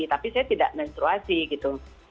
tapi saya tidak menstruasi gitu